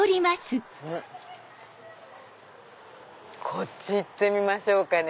こっち行ってみましょうかね。